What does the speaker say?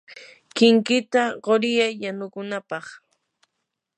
kinkita quriyay yanukunapaq.